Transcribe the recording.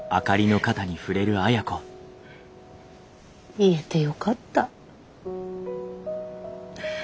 言えてよかった。